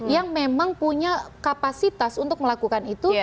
yang memang punya kapasitas untuk melakukan itu